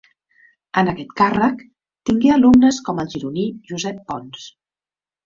En aquest càrrec tingué alumnes com el gironí Josep Pons.